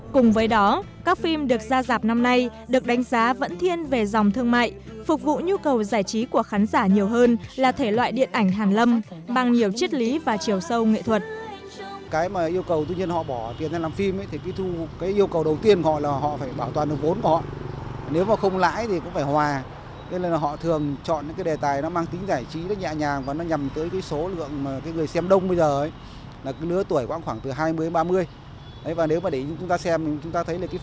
cùng với đó các phim được ra dạp năm nay được đánh giá vẫn thiên về dòng thương mại phục vụ nhu cầu giải trí của khán giả nhiều hơn là thể loại điện ảnh hàng lâm bằng nhiều chất lý và chiều sâu nghệ thuật